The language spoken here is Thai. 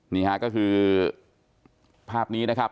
นี่ฮะก็คือภาพนี้นะครับ